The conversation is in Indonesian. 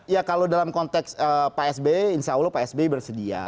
ya kalau dalam konteks pak sb insya allah pak sby bersedia